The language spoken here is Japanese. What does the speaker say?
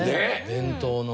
伝統の。